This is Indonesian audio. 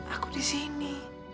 aku di sini